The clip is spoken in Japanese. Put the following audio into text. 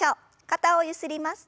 肩をゆすります。